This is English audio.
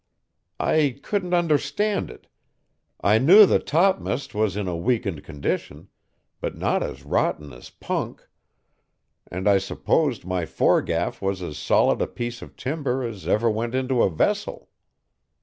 "I couldn't understand it. I knew the topm'st was in a weakened condition, but not as rotten as punk, and I supposed my foregaff was as solid a piece of timber as ever went into a vessel.